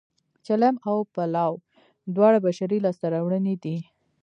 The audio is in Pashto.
چلم او پلاو دواړه بشري لاسته راوړنې دي